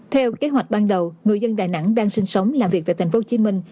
theo kế hoạch ban đầu người dân đà nẵng đang sinh sống làm việc tại thành phố hồ chí minh